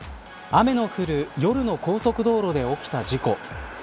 雨の降る夜の高速道路で起きた事故。